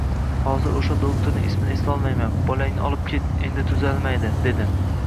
Hozir o`sha do`xtirning ismini eslolmayman, Bolangni olib ket, endi tuzalmaydi, dedi